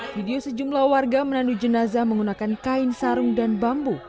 video sejumlah warga menandu jenazah menggunakan kain sarung dan bambu